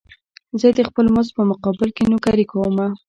زه د خپل مزد په مقابل کې نوکري کومه.